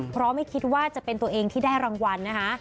เพราะไม่คิดว่าจะเป็นตัวเองที่ได้รางวัลนะคะ